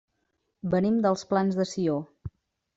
Venim dels Plans de Sió.